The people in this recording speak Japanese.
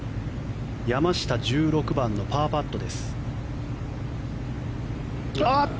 山下、１６番のパーパット。